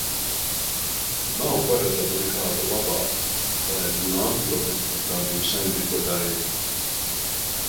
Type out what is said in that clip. Nav paredzama nekāda labā Paegļu nākotne ar tādiem saimniekotājiem.